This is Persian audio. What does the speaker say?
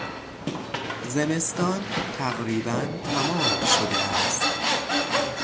زمستان تقریبا تمام شده است.